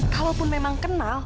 kalaupun memang kenal